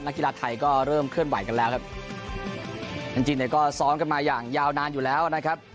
กีฬาไทยก็เริ่มเคลื่อนไหวกันแล้วครับจริงจริงเนี่ยก็ซ้อมกันมาอย่างยาวนานอยู่แล้วนะครับ